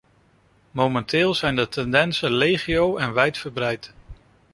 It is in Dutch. Momenteel zijn de tendensen legio en wijdverbreid.